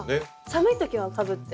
寒い時はかぶって。